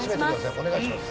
お願いします。